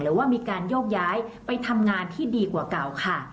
หรือว่ามีการโยกย้ายไปทำงานที่ดีกว่าเก่าค่ะ